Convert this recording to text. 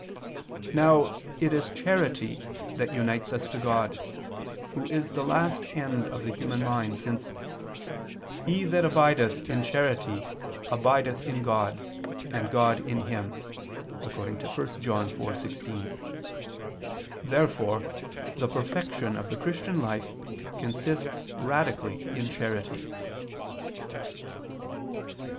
Now it is charity that unites us to God, Who is the last end of the human mind, since "he that abideth in charity abideth in God, and God in him" (1 John 4:16). Therefore the perfection of the Christian life consists radically in charity.